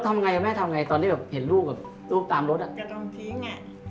ก็ต้องทิ้งอ่ะ